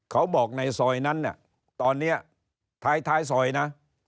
เขาบอกในซอยนั้นตอนนี้ท้ายซอยนะ